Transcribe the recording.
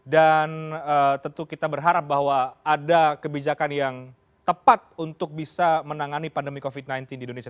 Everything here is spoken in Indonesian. dan tentu kita berharap bahwa ada kebijakan yang tepat untuk bisa menangani pandemi covid sembilan belas di indonesia